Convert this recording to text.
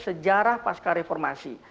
sejarah pasca reformasi